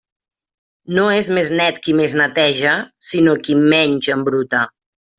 No és més net qui més neteja sinó qui menys embruta.